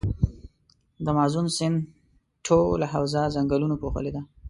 د مازون سیند ټوله حوزه ځنګلونو پوښلي ده.